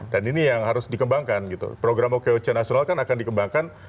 dan ini yang harus dikembangkan gitu program okoc nasional kan akan dikembangkan